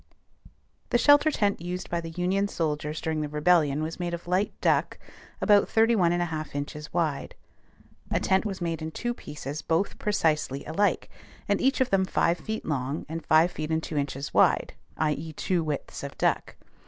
The shelter tent used by the Union soldiers during the Rebellion was made of light duck about 31 1/2 inches wide. A tent was made in two pieces both precisely alike, and each of them five feet long and five feet and two inches wide; i.e., two widths of duck.